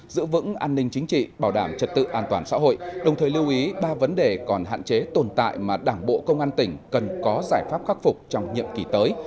giữ vững an ninh chính trị bảo đảm trật tự an toàn xã hội đồng thời lưu ý ba vấn đề còn hạn chế tồn tại mà đảng bộ công an tỉnh cần có giải pháp khắc phục trong nhiệm kỳ tới